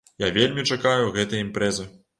Я вельмі чакаю гэтай імпрэзы.